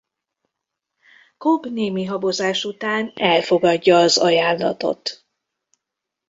Cobb némi habozás után elfogadja az ajánlatot.